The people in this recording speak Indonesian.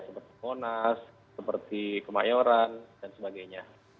seperti monas seperti kemayoran dan sebagainya